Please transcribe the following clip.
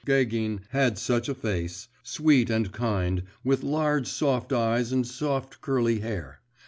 Gagin had just such a face sweet and kind, with large soft eyes and soft curly hair.